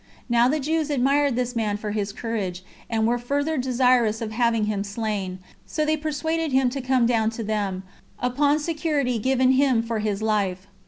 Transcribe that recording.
Now the Jews admired this man for his courage, and were further desirous of having him slain; so they persuaded him to come down to them, upon security given him for his life.